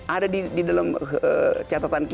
ada di dalam catatan kita